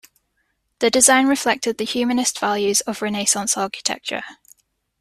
The design reflected the humanist values of Renaissance architecture.